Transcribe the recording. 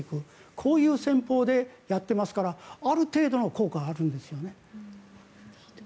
こういう戦法でやってますからある程度の効果はあるんですよね。